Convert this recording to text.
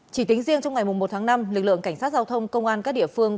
chỉ tính riêng trong ngày một tháng năm lực lượng cảnh sát giao thông công an các địa phương